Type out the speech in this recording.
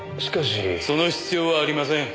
その必要はありません。